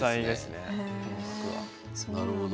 なるほど。